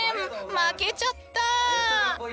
負けちゃった。